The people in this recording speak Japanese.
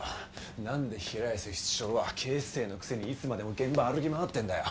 なんで平安室長は警視正のくせにいつまでも現場歩き回ってんだよ。